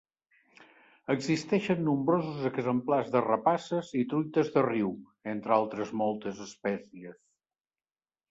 Existeixen nombrosos exemplars de rapaces i truites de riu, entre altres moltes espècies.